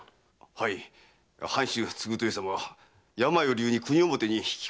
はい藩主・継豊様病を理由に国表に引きこもりたるは。